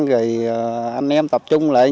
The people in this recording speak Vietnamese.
rồi anh em tập trung lại